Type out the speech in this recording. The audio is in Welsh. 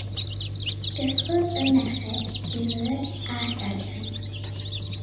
Dysgodd y merched rifyddeg a darllen.